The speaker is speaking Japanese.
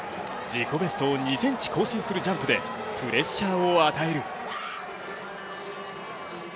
自己ベストを２ｃｍ更新するジャンプでプレッシャーを与える。